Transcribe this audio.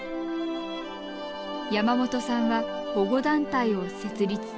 山本さんは保護団体を設立。